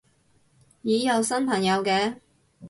咦有新朋友嘅